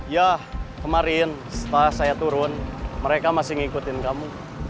ya kemarin setelah saya turun mereka masih ngikutin kamu